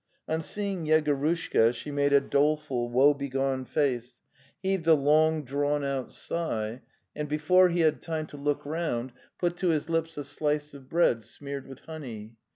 On seeing Yego rushka, she made a doleful, woe begone face, heaved a long drawn out sigh, and before he had time to 200 The Tales of Chekhov look round, put to his lips a slice of bread smeared with honey.